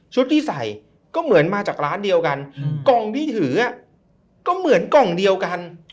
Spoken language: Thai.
ที่ใส่ก็เหมือนมาจากร้านเดียวกันกล่องที่ถือก็เหมือนกล่องเดียวกัน